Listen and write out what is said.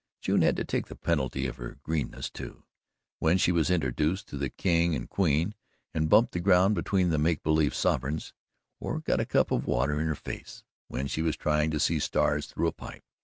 June had to take the penalty of her greenness, too, when she was "introduced to the King and Queen" and bumped the ground between the make believe sovereigns, or got a cup of water in her face when she was trying to see stars through a pipe.